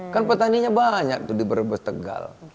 kan petaninya banyak di berbos tegal